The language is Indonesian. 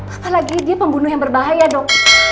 apalagi dia pembunuh yang berbahaya dok